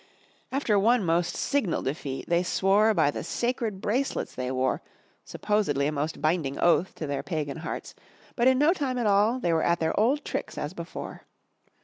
After one most signal defeat, they swore by the sacred bracelets they wore, supposedly a most binding oath to their pagan hearts, but in no time at all there they were at their old tricks as before.